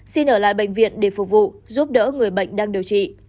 xin ở lại bệnh viện để phục vụ giúp đỡ người bệnh đang điều trị